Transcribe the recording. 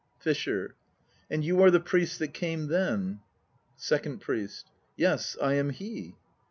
FISHER. And you are the priest that came then? SECOND PRIEST. Yes, I am he.